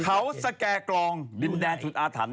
เขาสแก่กลองดินแดนสุดอาถรรพ